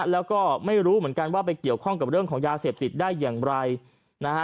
แล้วก็ไม่รู้เหมือนกันว่าไปเกี่ยวข้องกับเรื่องของยาเสพติดได้อย่างไรนะฮะ